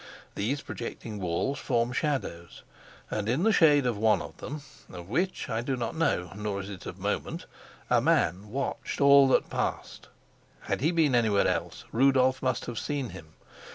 These projecting walls form shadows, and in the shade of one of them of which I do not know, nor is it of moment a man watched all that passed; had he been anywhere else, Rudolf must have seen him.